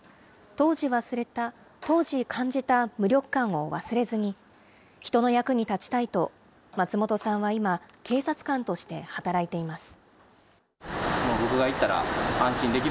当時感じた無力感を忘れずに、人の役に立ちたいと、松本さんは今、警察官として働いています。